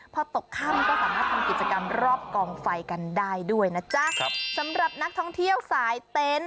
พอตกค่ำก็สามารถทำกิจกรรมรอบกองไฟกันได้ด้วยนะจ๊ะครับสำหรับนักท่องเที่ยวสายเต็นต์